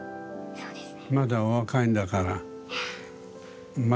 そうですね。